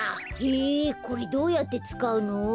へえこれどうやってつかうの？